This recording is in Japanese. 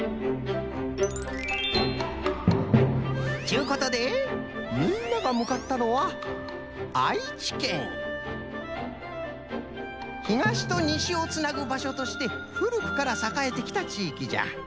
ちゅうことでみんながむかったのはひがしとにしをつなぐばしょとしてふるくからさかえてきた地域じゃ。